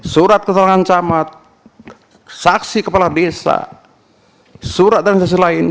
surat keterangan camat saksi kepala desa surat dan saksi lain